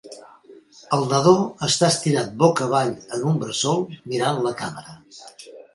El nadó està estirat boca avall en un bressol mirant la càmera.